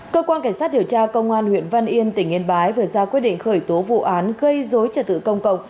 cơ quan cảnh sát điều tra công an huyện văn yên tỉnh yên bái vừa ra quyết định khởi tố vụ án gây dối trật tự công cộng